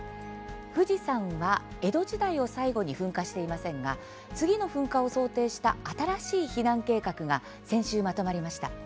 富士山は江戸時代を最後に噴火していませんが次の噴火を想定した新しい避難計画が先週、まとまりました。